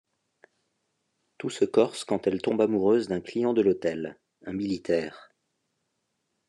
Tout se corse quand elle tombe amoureuse d'un client de l'hôtel, un militaire.